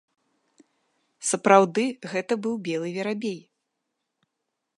Сапраўды, гэта быў белы верабей!